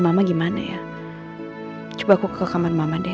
mama gak mau kamu sama andi